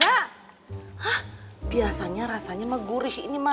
hah biasanya rasanya megurih ini mah